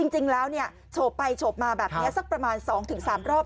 จริงแล้วโฉบไปโฉบมาแบบนี้สักประมาณ๒๓รอบ